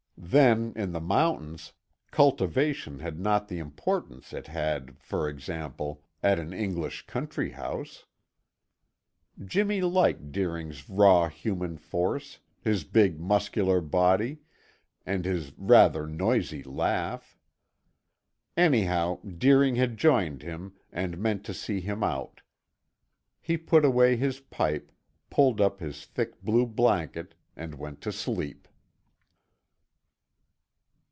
Then in the mountains cultivation had not the importance it had, for example, at an English country house. Jimmy liked Deering's raw human force, his big muscular body, and his rather noisy laugh. Anyhow, Deering had joined him and meant to see him out. He put away his pipe, pulled up his thick blue blanket and went to sleep.